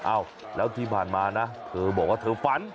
อ้าวแล้วที่ผ่านมานะเธอบอกว่าเธอฝัน